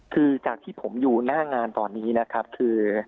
คือจากที่ผมอยู่หน้างานตอนนี้นะครับคือ